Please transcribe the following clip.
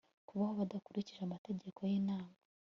kubaho badakurikije amategeko y'imana